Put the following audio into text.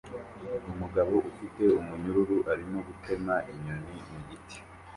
Umugabo ufite umunyururu arimo gutema inyoni mu giti